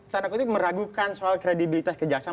tanda kutip meragukan soal kredibilitas kejaksaan